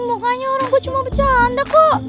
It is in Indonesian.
mukanya orang kok cuma bercanda kok